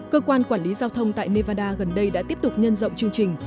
cơ quan quản lý giao thông tại nevada gần đây đã tiếp tục nhân rộng chương trình